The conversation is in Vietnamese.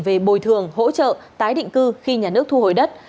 về bồi thường hỗ trợ tái định cư khi nhà nước thu hồi đất